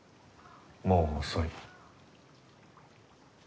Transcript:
もう遅い。